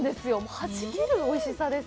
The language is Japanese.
はじけるおいしさです。